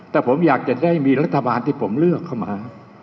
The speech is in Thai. แต่ผมอยากจะได้มีรัฐบาลที่ผมเลือกเข้ามา